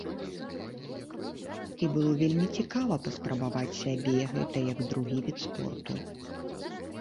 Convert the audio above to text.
І было вельмі цікава паспрабаваць сябе, гэта як другі від спорту.